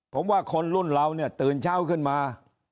ผมว่าคนรุ่นเราเนี่ยตื่นเช้าขึ้นมา